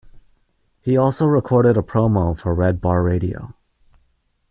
He also recorded a promo for Red Bar Radio.